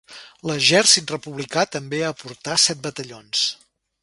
L'exèrcit republicà també aportà set batallons.